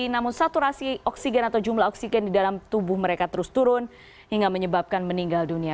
namun saturasi oksigen atau jumlah oksigen di dalam tubuh mereka terus turun hingga menyebabkan meninggal dunia